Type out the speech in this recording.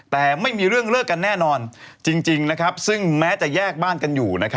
แต่ไม่มีเรื่องเลิกกันแน่นอนจริงซึ่งแม้จะแยกบ้านกันอยู่